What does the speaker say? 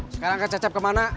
sekarang kang cecep kemana